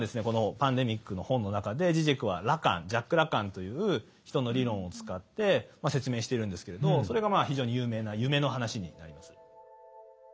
この「パンデミック」の本の中でジジェクはジャック・ラカンという人の理論を使って説明しているんですけれどそれがまあ非常に有名な「夢」の話になります。